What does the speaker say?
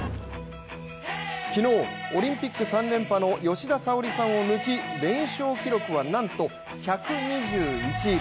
昨日、オリンピック３連覇の吉田沙保里さんを抜き連勝記録は、なんと１２１。